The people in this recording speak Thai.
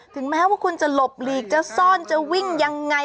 ถึงแม้ว่าคุณจะหลบหลีกจะซ่อนจะวิ่งยังไง